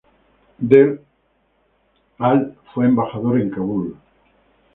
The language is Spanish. Del al fue embajador en Kabul.